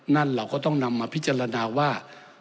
นั่นเราก็ต้องนำมาพิจารณาว่า